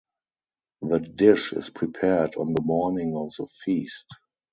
The dish is prepared on the morning of the feast.